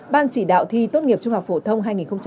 ban chỉ đạo thi tốt nghiệp trung học phổ thông hai nghìn hai mươi